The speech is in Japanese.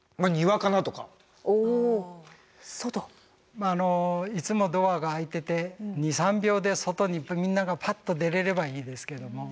まあいつもドアが開いてて２３秒で外にみんながパッと出れればいいですけれども。